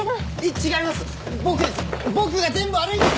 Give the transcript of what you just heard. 違います！